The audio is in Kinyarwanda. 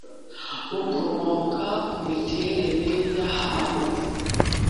bukomoka ku miterere y’ahantu